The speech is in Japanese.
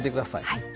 はい。